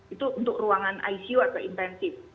itu untuk ruangan icu atau intensif